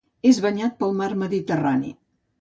És banyat pel mar Mediterrani.